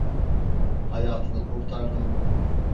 Hayatını kurtardın.